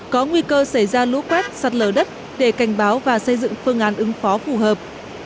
có nguy cơ xảy ra lũ quét sạt lở đất để cảnh báo và xây dựng phương án ứng phó phù hợp